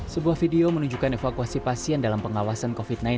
sebuah video menunjukkan evakuasi pasien dalam pengawasan covid sembilan belas